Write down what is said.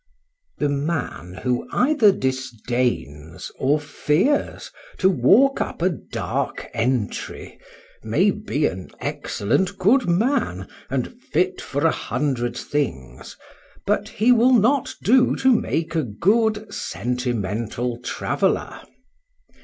THE man who either disdains or fears to walk up a dark entry may be an excellent good man, and fit for a hundred things, but he will not do to make a good Sentimental Traveller.